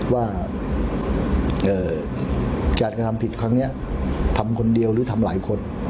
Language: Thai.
ว่าการกระทำผิดครั้งนี้ทำคนเดียวหรือทำหลายคน